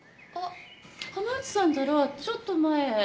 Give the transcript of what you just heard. あっ浜内さんならちょっと前。